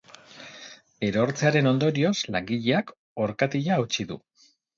Erortzearen ondorioz, langileak orkatila hautsi du.